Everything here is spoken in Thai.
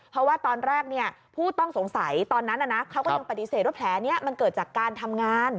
เพราะว่าตอนแรกผู้ต้องสงสัยตอนนั้นเขาก็ยังปฏิเสธว่าแผลนี้มันเกิดจากการทำงาน